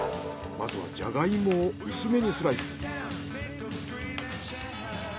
まずはジャガイモを薄めにスライス。